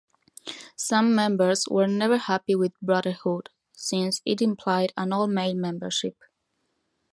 Some members were never happy with "brotherhood", since it implied an all-male membership.